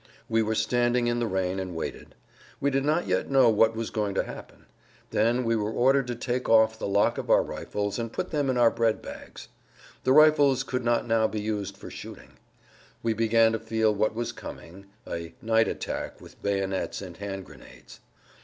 We were standing in the rain and waited. We did not yet know what was going to happen. Then we were ordered to take off the lock of our rifles and put them in our bread bags. The rifles could not now be used for shooting. We began to feel what was coming, viz., a night attack with bayonets and hand grenades.